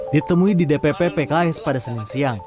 ditemui di dpp pks pada senin siang